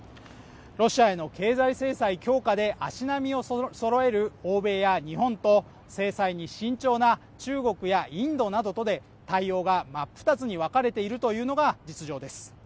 ロシアへの経済制裁強化で足並みを揃える欧米や日本と制裁に慎重な中国やインドなどとで対応が真っ二つにわかれているというのが実情です。